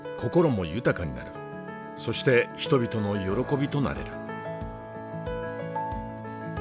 そして人々の喜びとなれる。